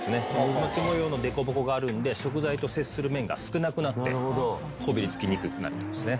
渦巻き模様の凸凹があるんで食材と接する面が少なくなってこびりつきにくくなってますね。